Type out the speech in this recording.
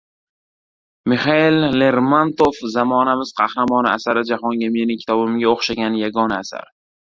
Mixail Lermontov. “Zamonamiz qahramoni” asari jahonda mening kitobimga o‘xshagan yagona asar.